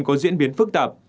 có diễn biến phức tạp